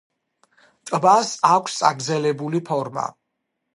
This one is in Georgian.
ტბას აქვს წაგრძელებული ფორმა.